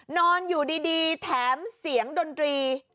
นอนอยู่ดีแถมเสียงดนตรี